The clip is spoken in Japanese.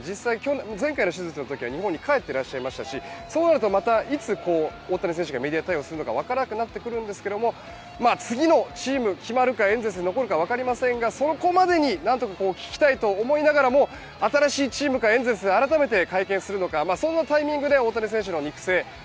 実際去年前回の手術のとき日本に帰ってらっしゃいましたしそうなるとまたいつ大谷選手がメディア対応するのかわからなくなってくるんですけど次のチームが決まるかエンゼルスに残るかわかりませんが、そこまでに何とか聞きたいと思いながらも新しいチームがエンゼルス改めて会見するのかそんなタイミング